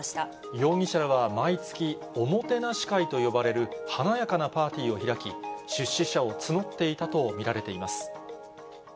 容疑者らは毎月、おもてなし会と呼ばれる華やかなパーティーを開き、出資者を募っていたと見られています。